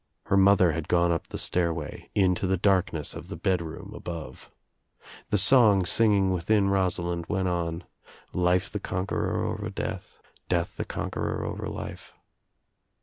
Her mother had gone up the stairway, Into the dark ness of the bedroom above. The song singing within Rosalind went on — Life the conquerer over death, Death the conquerer over life.